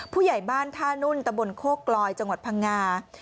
ผู้ใหญ่บ้านท่านุ่นตะบนโคกลอยจังหวัดพังงา